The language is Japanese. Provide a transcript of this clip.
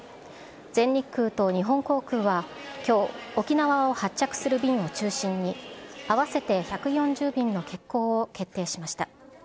全日空と日本航空はきょう、沖縄を発着する便を中心に合わせて１４０便の欠航を決定しました。